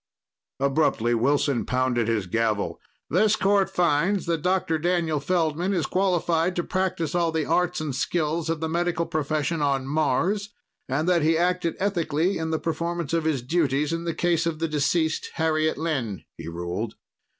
Abruptly Wilson pounded his gavel. "This court finds that Dr. Daniel Feldman is qualified to practice all the arts and skills of the medical profession on Mars and that he acted ethically in the performance of his duties in the case of the deceased Harriet Lynn," he ruled.